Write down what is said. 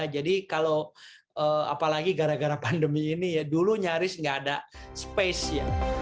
jadi kalau apalagi gara gara pandemi ini dulu nyaris tidak ada space